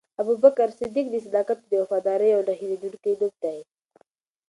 ابوبکر صدیق د صداقت او وفادارۍ یو نه هېرېدونکی نوم دی.